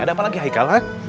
ada apa lagi hai kalat